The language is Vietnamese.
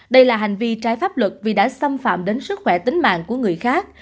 đây là hành vi trái pháp luật vì đã xâm phạm đến sức khỏe tính mạng của người khác